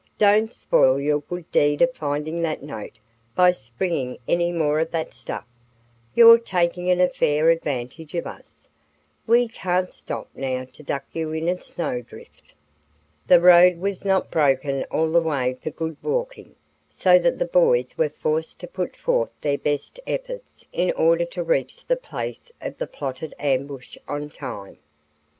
"Don't spoil your good deed of finding that note by springing any more of that stuff. You're taking an unfair advantage of us, for we can't stop now to duck you in a snowdrift." The road was not broken all the way for good walking, so that the boys were forced to put forth their best efforts in order to reach the place of the plotted ambush on time.